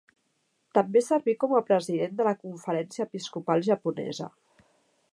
També serví com a President de la Conferència Episcopal Japonesa.